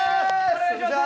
お願いします